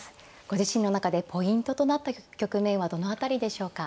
ご自身の中でポイントとなった局面はどの辺りでしょうか。